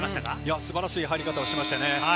素晴らしい入り方をしましたね。